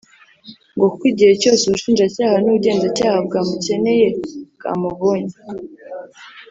ngo kuko igihe cyose ubushinjacyaha n’ubugenzacyaha bwamukeneye bwamubonye